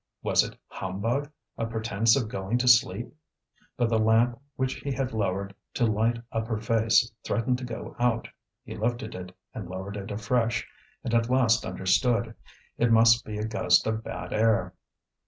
was it humbug, a pretence of going to sleep? But the lamp which he had lowered to light up her face threatened to go out. He lifted it and lowered it afresh, and at last understood; it must be a gust of bad air.